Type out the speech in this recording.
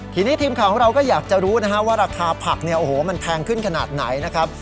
ทีนี้ทีมข่าวของเราก็อยากจะรู้นะฮะว่าราคาผักเนี่ยโอ้โหมันแพงขึ้นขนาดไหนนะครับ